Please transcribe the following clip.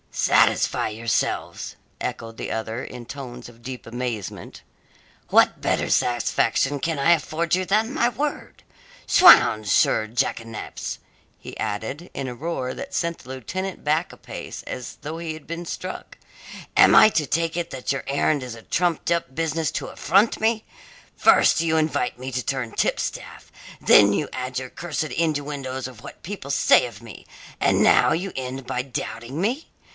"Satisfy yourselves?" echoed the other, in tones of deep amazement. "What better satisfaction can I afford you than my word? 'Swounds, sir jackanapes," he added, in a roar that sent the lieutenant back a pace as though he had been struck, "am I to take it that your errand is a trumped up business to affront me? First you invite me to turn tipstaff, then you add your cursed innuendoes of what people say of me, and now you end by doubting me!